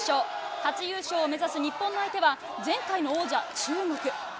初優勝を目指す日本の相手は前回の王者、中国。